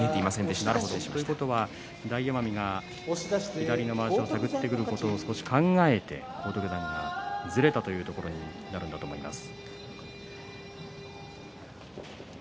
大奄美が左のまわしを探っていくことを考えて荒篤山がずれたということになると思います。